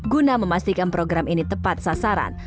guna memastikan program ini tepat sasaran